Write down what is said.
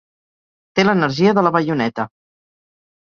Té l'energia de la baioneta.